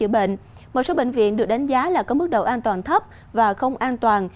bộ y tế tiếp tục đánh giá là có mức độ an toàn thấp và không an toàn